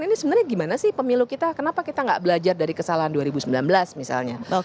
ini sebenarnya gimana sih pemilu kita kenapa kita nggak belajar dari kesalahan dua ribu sembilan belas misalnya